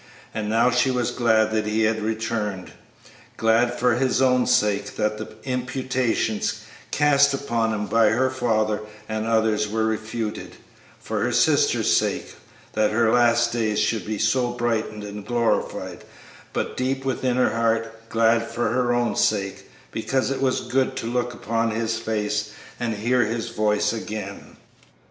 And now she was glad that he had returned; glad for his own sake that the imputations cast upon him by her father and others were refuted; for her sister's sake, that her last days should be so brightened and glorified; but deep within her heart, glad for her own sake, because it was good to look upon his face and hear his voice again.